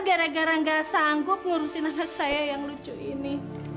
gara gara gak sanggup ngurusin anak saya yang lucu ini